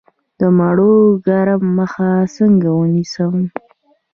د مڼو د کرم مخه څنګه ونیسم؟